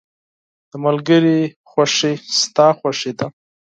• د ملګري خوښي ستا خوښي ده.